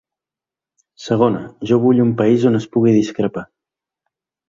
Segona, jo vull un país on es pugui discrepar.